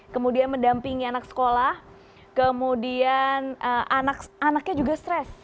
kemudian mendampingi anak sekolah kemudian anaknya juga stres